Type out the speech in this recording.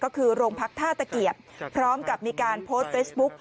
ก็คือโรงพักท่าตะเกียบพร้อมกับมีการโพสต์เฟซบุ๊ก